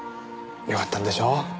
よかったんでしょう？